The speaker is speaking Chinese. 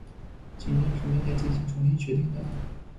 紧盯是每年进行重新确定的。